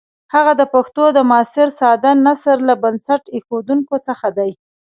هغه د پښتو د معاصر ساده نثر له بنسټ ایښودونکو څخه دی.